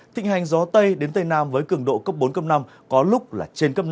thịnh hành gió tây đến tây nam với cường độ cấp bốn cấp năm có lúc là trên cấp năm